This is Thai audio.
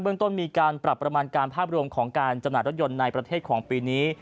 เรื่องต้นมีการปรับประมาณการภาพรวมของการจำหน่ายรถยนต์ในประเทศของปีนี้